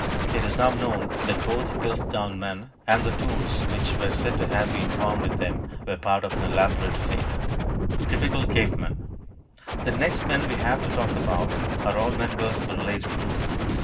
It is now known that both "Piltdown man" and the tools which were said to have been found with him were part of an elaborate fake! TYPICAL "CAVE MEN" The next men we have to talk about are all members of a related group.